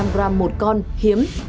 hai trăm linh g một con hiếm